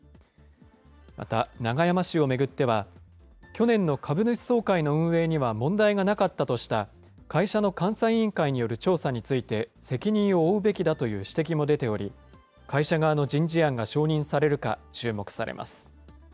また、永山氏を巡っては、去年の株主総会の運営には問題がなかったとした会社の監査委員会による調査について、責任を負うべきだという指摘も出ており、会社側の人事案が承認されるか、注目されます。